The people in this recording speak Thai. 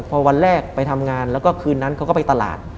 พอวันแรกไปทำงานแล้วก็คืนนั้นเขาก็ไปตลาด